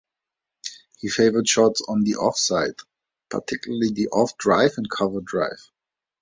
He favoured shots on the off side, particularly the off drive and cover drive.